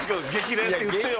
レアって言ってよ。